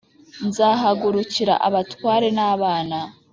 nzahagurukira abatware n abana